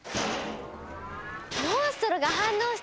モンストロが反応した！